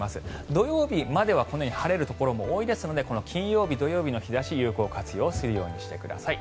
土曜日まではこのように晴れるところが多いですので金曜日、土曜日の日差しを有効活用するようにしてください。